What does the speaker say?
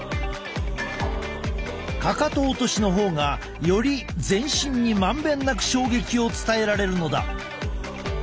かかと落としの方がより全身に満遍なく衝撃を伝えられるのだ。